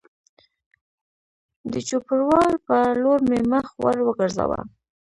د چوپړوال په لور مې مخ ور وګرځاوه